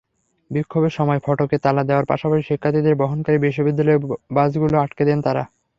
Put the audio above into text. বিক্ষোভের সময় ফটকে তালা দেওয়ার পাশাপাশি শিক্ষার্থীদের বহনকারী বিশ্ববিদ্যালয়ের বাসগুলো আটকে দেন তাঁরা।